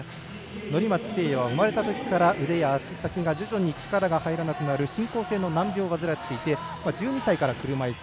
乗松聖矢は生まれたときから腕や足先が徐々に力が入らなくなる進行性の難病を患っていて１２歳から車いす。